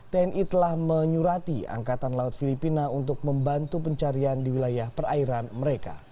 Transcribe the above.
tni telah menyurati angkatan laut filipina untuk membantu pencarian di wilayah perairan mereka